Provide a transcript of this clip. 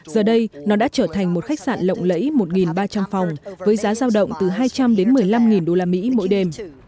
giờ đây nó đã trở thành một khách sạn lộng lẫy một ba trăm linh phòng với giá giao động từ hai trăm linh đến một mươi năm usd mỗi đêm